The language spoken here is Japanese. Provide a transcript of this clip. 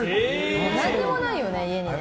何もないよね、家にね。